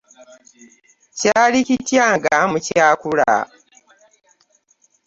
Kyali kitya nga mukyakula?